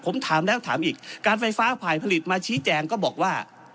ผมถามแล้วถามอีกการไฟฟ้าฝ่ายผลิตมาชี้แจงก็บอกว่า